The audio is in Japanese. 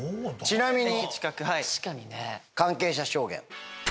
ちなみに。